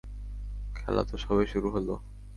খেলা তো সবে শুরু হলো।